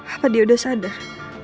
apa dia udah sadar